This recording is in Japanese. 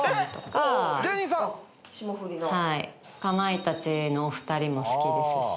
かまいたちのお二人も好きですし。